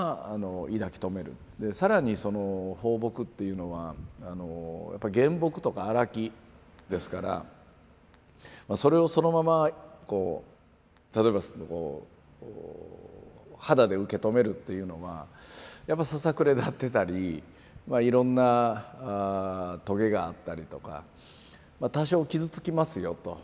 更に抱樸っていうのは原木とか荒木ですからそれをそのままこう例えば肌で受け止めるっていうのはやっぱささくれ立ってたりいろんなトゲがあったりとか多少傷つきますよと。